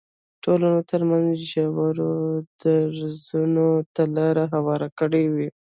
ټولنو ترمنځ ژورو درزونو ته لار هواره کړې وای.